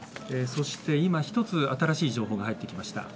そして今、一つ新しい情報が入ってきました。